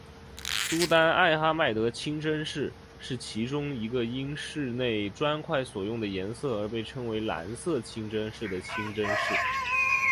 苏丹艾哈迈德清真寺是其中一个因室内砖块所用的颜色而被称为蓝色清真寺的清真寺。